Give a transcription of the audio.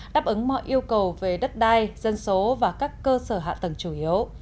đáp ứng mọi yêu cầu về đất đai dân số và các cơ sở hạ tầng chủ yếu